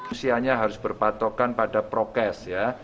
usianya harus berpatokan pada prokes ya